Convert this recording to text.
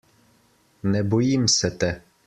Ne bojim se te.